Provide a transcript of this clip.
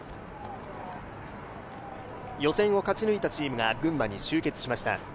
予選を勝ち抜いたチームが群馬に集結しました。